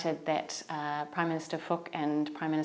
phát triển và phát triển